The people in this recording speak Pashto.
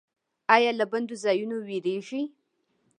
ایا له بندو ځایونو ویریږئ؟